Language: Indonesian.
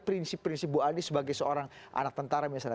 prinsip prinsip ibu ani sebagai seorang anak tentara misalnya